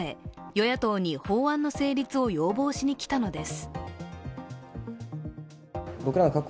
与野党に法案の成立を要望しに来たのです。